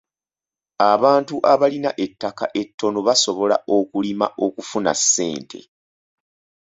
Abantu abalina ettaka ettono basobola okulima okufuna ssente.